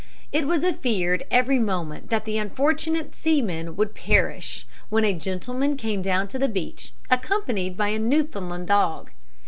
It was feared every moment that the unfortunate seamen would perish, when a gentleman came down to the beach, accompanied by a Newfoundland dog.